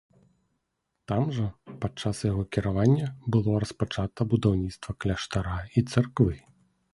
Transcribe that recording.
Там жа падчас яго кіравання было распачата будаўніцтва кляштара і царквы.